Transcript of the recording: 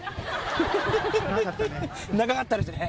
長かったですね